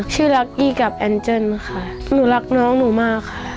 ชื่อลักตียวค่ะอัลเจิ้ลหนูรักน้องหนูมากค่ะ